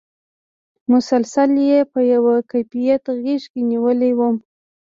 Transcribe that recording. مسلسل یې په یوه کیفیت غېږ کې نېولی وم.